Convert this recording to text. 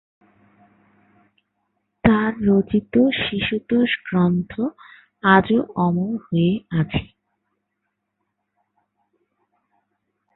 তার রচিত শিশুতোষ গ্রন্থ আজও অমর হয়ে আছে।